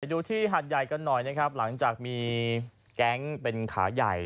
ดูที่หาดใหญ่กันหน่อยนะครับหลังจากมีแก๊งเป็นขาใหญ่